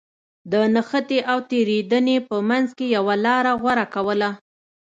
د نښتې او تېرېدنې په منځ کې يوه لاره غوره کوله.